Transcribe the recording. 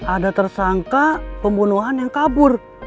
ada tersangka pembunuhan yang kabur